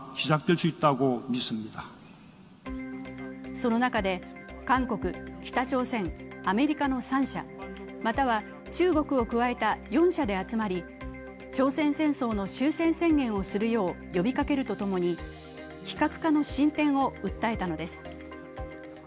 その中で韓国、北朝鮮、アメリカの３者、または中国を加えた４者で集まり、朝鮮戦争の終戦宣言をするよう呼びかけるとともに非核化の進展を訴えたのです。